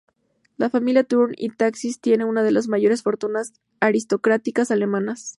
La familia Thurn y Taxis tiene una de las mayores fortunas aristocráticas alemanas.